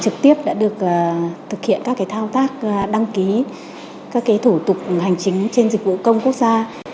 trực tiếp đã được thực hiện các thao tác đăng ký các thủ tục hành chính trên dịch vụ công quốc gia